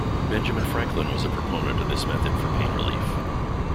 Benjamin Franklin was a proponent of this method for pain relief.